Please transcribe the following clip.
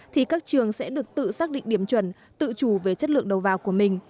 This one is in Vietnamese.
thì các trường sẽ được tự xác định điểm chuẩn tự chủ về chất lượng đầu vào của mình